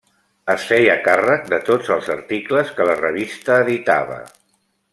Es feia càrrec de tots els articles que la revista editava.